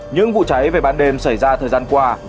những vụ cháy về ban đêm xảy ra thời gian qua